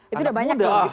itu udah banyak dong